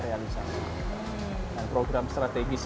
realisasikan program strategis